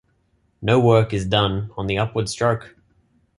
No work is done on the upward stroke.